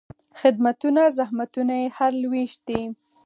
خدمتونه، زحمتونه یې هر لوېشت دي